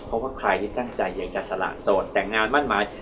เพราะว่าใครที่ตั้งใจอยากจะสละโสดแต่งงานมั่นหมาย